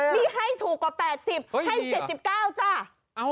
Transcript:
นี่ให้ถูกกว่า๘๐ให้๗๙จ้ะ